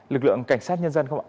lực lượng cảnh sát nhân dân không ạ